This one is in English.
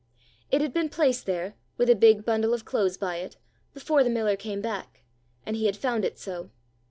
It had been placed there, with a big bundle of clothes by it, before the miller came back, and he had found it so.